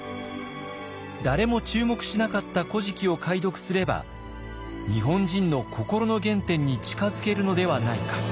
誰も注目しなかった「古事記」を解読すれば日本人の心の原点に近づけるのではないか。